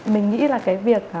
mình nghĩ là cái việc